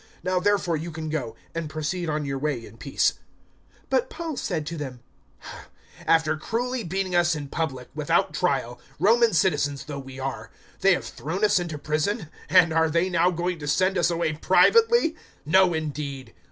Now therefore you can go, and proceed on your way in peace." 016:037 But Paul said to them, "After cruelly beating us in public, without trial, Roman citizens though we are, they have thrown us into prison, and are they now going to send us away privately? No, indeed!